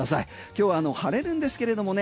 今日は晴れるんですけれどもね